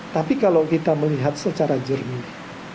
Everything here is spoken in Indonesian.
tapi kalau kita melihat secara jernih